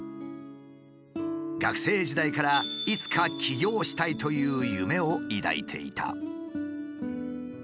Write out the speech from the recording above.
学生時代からいつか起業したいという夢を抱いていた。